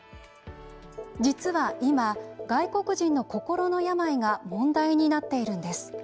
実は今、外国人の心の病が問題になっているんです。